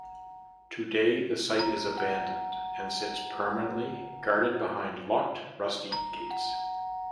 Today the site is abandoned and sits permanently guarded behind locked rusty gates.